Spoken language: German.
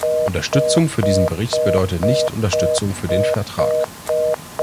Unterstützung für diesen Bericht bedeutet nicht Unterstützung für den Vertrag.